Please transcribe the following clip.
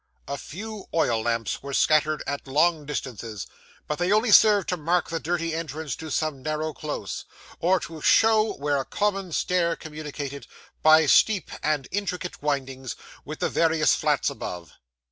A few oil lamps were scattered at long distances, but they only served to mark the dirty entrance to some narrow close, or to show where a common stair communicated, by steep and intricate windings, with the various flats above.